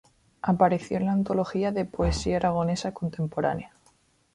Apareció en la "Antología de Poesía Aragonesa Contemporánea".